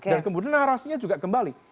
dan kemudian narasinya juga kembali